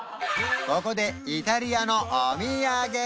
ここでイタリアのお土産